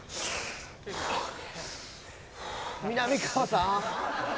みなみかわさん。